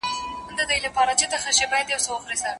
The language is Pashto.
په کوم صورت کي نسب نارينه ته ثابتيږي؟